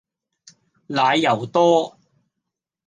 奶油多